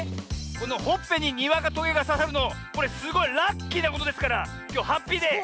このほっぺににわかとげがささるのこれすごいラッキーなことですからきょうハッピーデー。